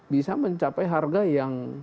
bisa mencapai harga yang